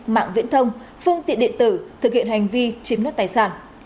mạng viễn thông phương tiện điện tử thực hiện hành vi chiếm đất tài sản